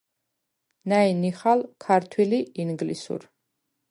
ნა̈ჲ ნიხალ ქართვილ ი ინგლისურ.